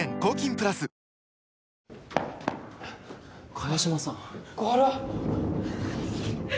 萱島さん小春は？